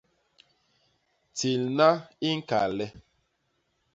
Tilna i ñkal le.